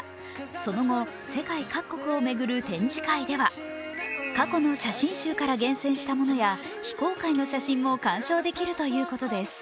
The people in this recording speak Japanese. その後、世界各国を巡る展示会では過去の写真集から厳選したものや非公開の写真も鑑賞できるということです。